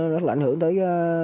rất là ảnh hưởng tới